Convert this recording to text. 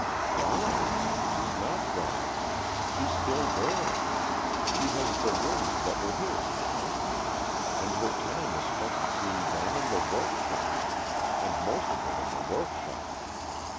" Gone ? She's not gone. She's still there. She has the rooms that were his now, and her time is spent between them and the workshop, and most of it in the workshop.